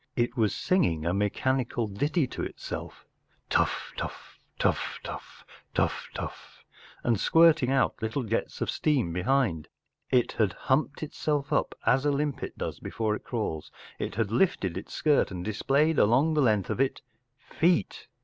It was singing a mechanical little ditty to itself, “Tuf tuf, luf tuf, tuf tuf," and squirting out little jets of steam behind* It had humped itself up, as a limpet does before it crawls ; it had lifted its skirt and displayed along the length of it —feet!